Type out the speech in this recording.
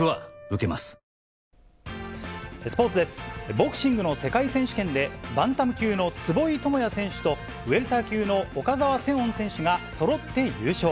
ボクシングの世界選手権で、バンタム級の坪井智也選手と、ウエルター級の岡澤セオン選手がそろって優勝。